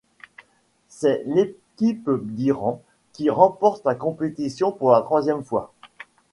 C'est l'équipe d'Iran qui remporte la compétition pour la troisième fois.